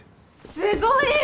すごいよ！